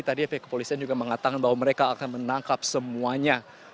tadi pihak kepolisian juga mengatakan bahwa mereka akan menangkap semuanya